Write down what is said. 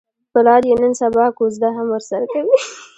پلار یې نن سبا کوزده هم ورسره کوي.